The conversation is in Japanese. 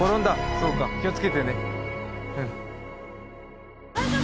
そうか気をつけてね。